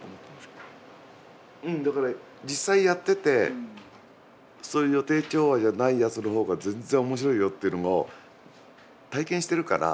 うんだから実際やっててそういう予定調和じゃないやつの方が全然面白いよっていうのを体験してるから。